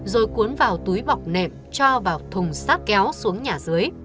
rồi cuốn vào túi bọc nệm cho vào thùng sát kéo xuống nhà dưới